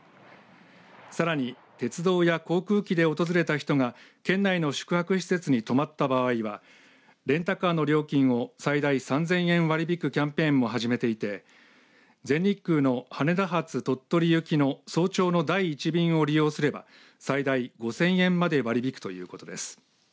さらに鉄道や航空機で訪れた人が県内の宿泊施設に泊まった場合はレンタカーの料金を最大３０００円を割り引くキャンペーンも始めていて全日空の羽田発鳥取行きの早朝の第１便を利用すれば最大５０００円まで割り引くということです。